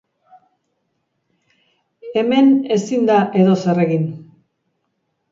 Hemen ezin da edozer egin.